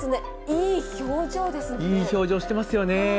いい表情してますよね。